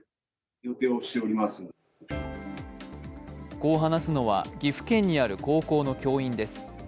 こう話すのは、岐阜県にある高校の教員です。